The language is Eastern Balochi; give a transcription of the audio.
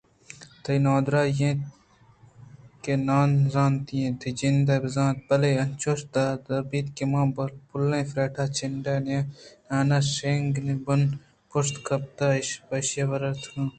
تئی نادانی اِنت کہ نازانتی تئی جند بزانت بلئے انچوش درا بیت کہ من پُلیں فریڈا چنڈے نانے کہ شیکن ءِ بن ءَ پشت کپت ءُپشیّ ءَ وارت بچک !